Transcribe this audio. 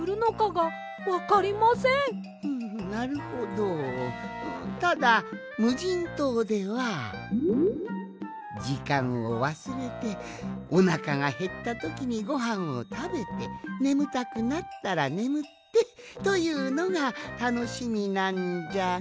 ふむなるほどただむじんとうではじかんをわすれておなかがへったときにごはんをたべてねむたくなったらねむってというのがたのしみなんじゃが。